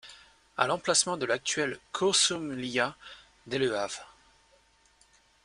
À l’emplacement de l’actuelle Kuršumlija, dès le av.